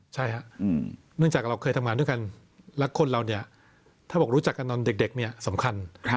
ใช่ครับเนื่องจากเราเคยทำงานด้วยกันและคนเราเนี่ยถ้าบอกรู้จักกันตอนเด็กเนี่ยสำคัญ